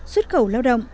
xuất khẩu lao động